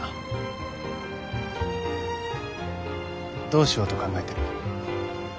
どうしようと考えてる？